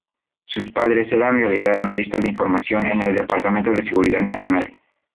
Sus padres eran en realidad analistas de información en el Departamento de Seguridad Nacional.